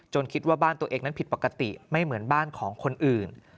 คิดว่าบ้านตัวเองนั้นผิดปกติไม่เหมือนบ้านของคนอื่น